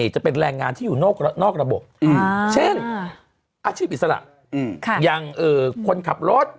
จะเป็นแรงงานที่อยู่นอกระบบเช่นอาชีพอิสระอย่างคนขับรถ